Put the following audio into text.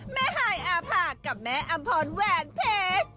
แม่หายอภพรกับแม่อัมพรแหวนเพชร